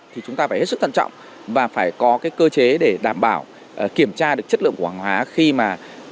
thì chúng ta phải hết sức thân trọng và phải có cái cơ chế để đảm bảo kiểm tra được chất lượng của hàng hóa